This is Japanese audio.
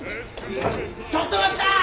ちょっと待ったー！